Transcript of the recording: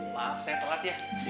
maaf saya terlalu tegak ya